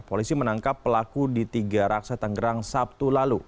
polisi menangkap pelaku di tiga raksa tanggerang sabtu lalu